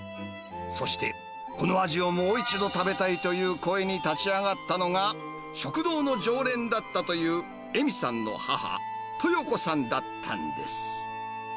そして、この味をもう一度食べたいという声に立ち上がったのが、食堂の常連だったという恵美さんの母、豊子さんだったんです。